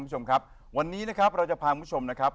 คุณผู้ชมครับวันนี้นะครับเราจะพาคุณผู้ชมนะครับ